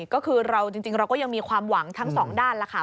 ก็คือเราจริงเราก็ยังมีความหวังทั้งสองด้านแล้วค่ะ